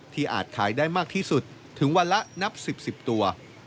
อาจขายได้มากที่สุดถึงวันละนับ๑๐๑๐ตัว